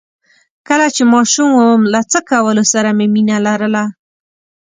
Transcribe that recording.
کله چې ماشوم وم له څه کولو سره مې مينه لرله؟